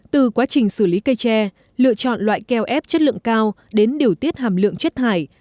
từ quá trình xử lý cây tre lựa chọn loại keo ép chất lượng cao đến điều tiết hàm lượng chất thải